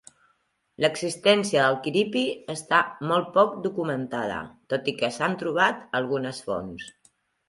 L'existència del quiripi està molt poc documentada, tot i que s'han trobat algunes fonts.